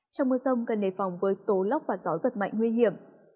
trong mưa rông cần đề phòng với tố lốc và gió giật mạnh nguy hiểm